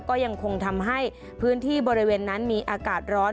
ก็ยังคงทำให้พื้นที่บริเวณนั้นมีอากาศร้อน